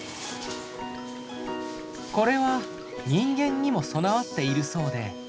これは人間にも備わっているそうで。